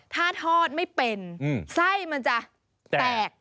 ถ้าทอดไม่เป็นไส้มันจะแตก